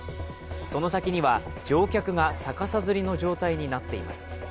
その先には乗客が逆さづりの状態になっています。